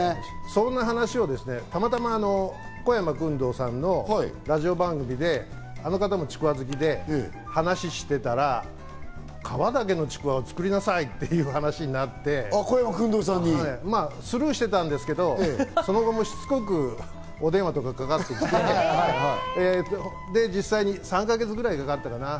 そんな話をたまたま小山薫堂さんのラジオで、あの方もちくわが好きで、その話をしていたら、皮だけのちくわを作りなさいという話になってスルーしてたんですけど、その後もしつこくお電話とかかかってきて、実際３か月ぐらいかかったかな。